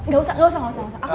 gak usah gak usah gak usah masak